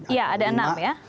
iya ada enam ya